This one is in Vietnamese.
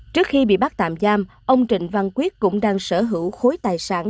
trước khi bị bắt tạm giam ông trịnh văn quyết cũng đang sở hữu khối tài sản